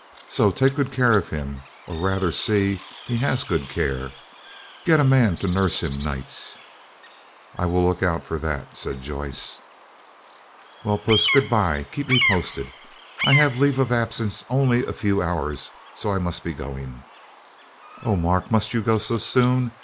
So take good care of him, or rather see he has good care. Get a man to nurse him nights." "I will look out for that," said Joyce. "Well, Puss, good bye, keep me posted. I had leave of absence only a few hours, so I must be going." "Oh, Mark, must you go so soon?"